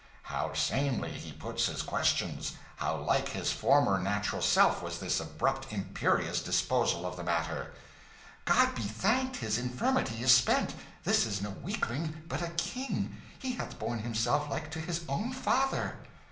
"How sanely he put his questions how like his former natural self was this abrupt imperious disposal of the matter!" "God be thanked, his infirmity is spent! This is no weakling, but a king. He hath borne himself like to his own father."